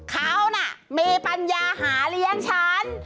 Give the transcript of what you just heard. ที่สำคัญเขามีปัญญาหาเลี้ยงฉัน